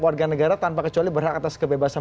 warga negara tanpa kecuali berhak atas kebebasan